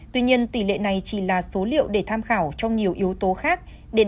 tuy nhiên tỷ lệ này chỉ là số liệu để tham khảo trong nhiều yếu tố khác